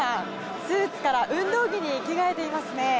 スーツから運動着に着替えていますね。